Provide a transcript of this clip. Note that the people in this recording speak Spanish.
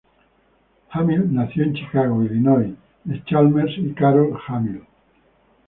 Hamill nació en Chicago, Illinois, de Chalmers y Carol Hamill.